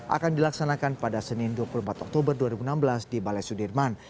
akan dilaksanakan pada senin dua puluh empat oktober dua ribu enam belas di balai sudirman